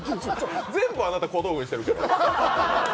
全部、あなた、小道具にしてるけど。